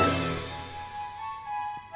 tidak ada yang kacau